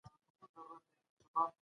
له خپلو ماشومانو سره هم عدل وکړئ.